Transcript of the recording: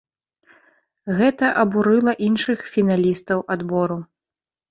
Гэта абурыла іншых фіналістаў адбору.